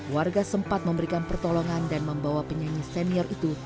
warga sempat memberikan pertolongan dan membawa penyanyi senior itu